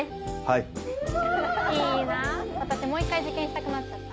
いいな私もう一回受験したくなっちゃった。